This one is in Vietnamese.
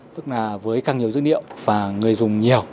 tức là với càng nhiều dữ liệu và người dùng nhiều